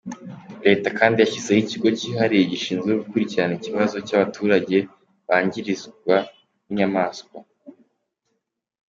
Leta kandi yashyizeho ikigo kihariye gishinzwe gukurikirana ikibazo cy’ abaturage bangirizwa n’ inyamaswa.